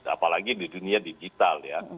apalagi di dunia digital ya